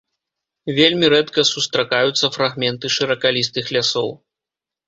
Вельмі рэдка сустракаюцца фрагменты шыракалістых лясоў.